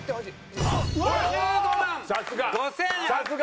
５５万５８００回。